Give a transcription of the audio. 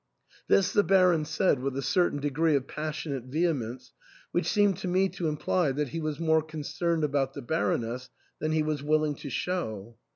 This the Baron said with a cer tain degree of passionate vehemence, which seemed to me to imply that he was more concerned about the Baroness than he was willing to show.